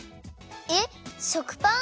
えっ食パン！？